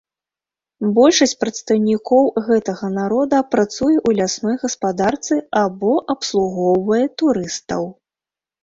Большасць прадстаўнікоў гэтага народа працуе ў лясной гаспадарцы або абслугоўвае турыстаў.